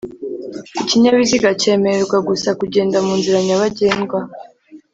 Ikinyabiziga cyemererwa gusa kugenda mu nzira nyabagendwa